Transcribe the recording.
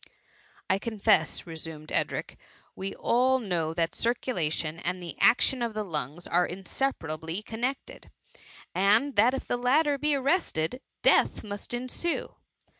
''I confess,*' resumed Edric, " we all know that circulation and the action of the lungs are inseparably connected, and that if the latter be arrested, death must ensue.